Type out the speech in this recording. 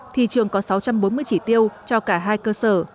thì trường có sáu trăm bốn mươi chỉ tiêu cho cả hai cơ sở